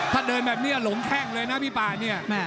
ถ้าเดินแบบนี้หลงแข้งเลยนะพี่ป่าเนี่ย